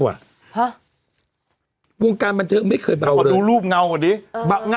วงการบันเทอมไม่เคยเบาเลยดูรูปเงาก่อนดิ